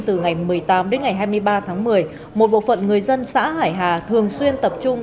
từ ngày một mươi tám đến ngày hai mươi ba tháng một mươi một bộ phận người dân xã hải hà thường xuyên tập trung